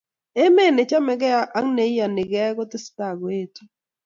Emet nechamegei ak neiyanikei kotesetai koetu